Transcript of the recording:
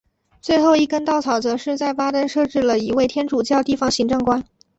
最后一根稻草则是在巴登设置了一位天主教地方行政官。